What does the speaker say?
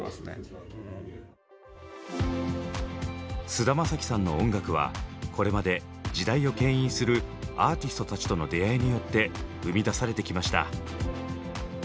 菅田将暉さんの音楽はこれまで時代を牽引するアーティストたちとの出会いによって生み出されてきました。